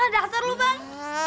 dasar lu bang